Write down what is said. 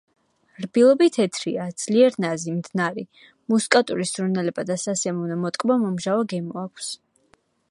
რბილობი თეთრია, ძლიერ ნაზი, მდნარი; მუსკატური სურნელება და სასიამოვნო მოტკბო-მომჟავო გემო აქვს.